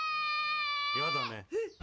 嫌だね。